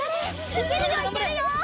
いけるよいけるよ！